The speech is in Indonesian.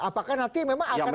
apakah nanti memang akan